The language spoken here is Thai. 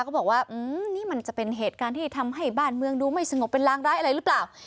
เขาบอกว่านี่มันจะเป็นเหตุการณ์ที่ทำให้บ้านเมืองดูไม่สงบเป็นรางร้ายอะไรหรือเปล่า